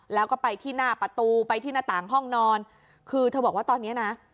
แล้วก็ไปที่หน้าประตูไปที่หน้าต่างห้องนอนคือเธอบอกว่าตอนเนี้ยนะ